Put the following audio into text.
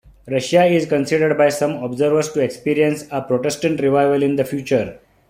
Russia is considered by some observers to experience a Protestant revival in the future.